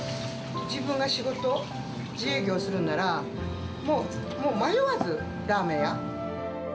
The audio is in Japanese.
自分が仕事、自営業するなら、もう迷わずラーメン屋。